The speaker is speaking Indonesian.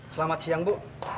selamat siang bu